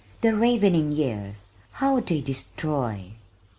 The ravening years how they destroy!